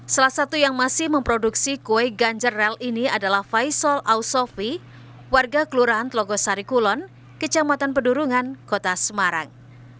salah satu yang masih memproduksi kue ganjar rel ini adalah faisal ausofi warga kelurahan telogosari kulon kecamatan pedurungan kota semarang